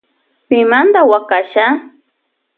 Pimanda huakasha.